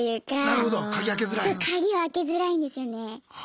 そう鍵開けづらいんですよね。